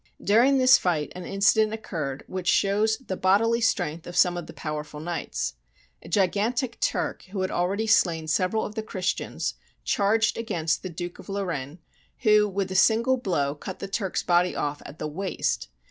During this fight an incident occurred which shows the bodily strength of some of these powerful knights. A gigantic Turk, who had already slain several of the Christians, charged against the Duke of Lorraine, who, with a single blow, cut the Turk's body off at the waist.